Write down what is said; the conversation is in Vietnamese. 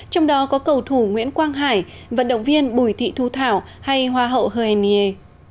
trong đó có cầu thủ nguyễn quang hải vận động viên bùi thị thu thảo hay hoa hậu h n y